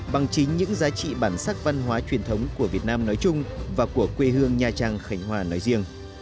bằng chính những giá trị bản sắc văn hóa truyền thống của việt nam nói chung và của quê hương nha trang khánh hòa nói riêng